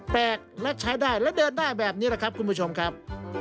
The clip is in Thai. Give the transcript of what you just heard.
แปลกและใช้ได้และเดินได้แบบนี้แหละครับคุณผู้ชมครับ